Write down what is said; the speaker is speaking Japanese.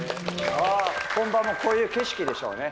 本番もこういう景色でしょうね。